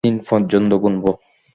তিন পর্যন্ত গুনব।